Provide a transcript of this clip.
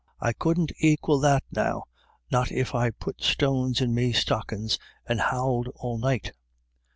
I couldn't aquil that now, not if I put stones in me stockin's and howled all night."